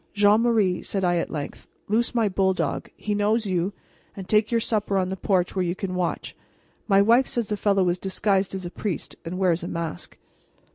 "Jean Marie," said I at length, "loose my bulldog he knows you and take your supper on the porch where you can watch. My wife says the fellow is disguised as a priest, and wears a mask."